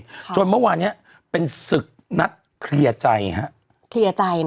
จนเมื่อวานเนี้ยเป็นศึกนัดเคลียร์ใจฮะเคลียร์ใจนะ